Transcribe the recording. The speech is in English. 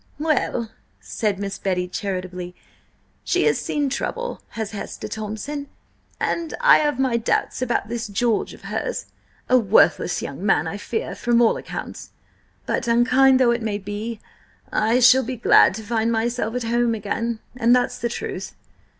"Well," said Miss Betty charitably, "she has seen trouble, has Hester Thompson, and I have my doubts about this George of hers. A worthless young man, I fear, from all accounts. But, unkind though it may be, I shall be glad to find myself at home again, and that's the truth!"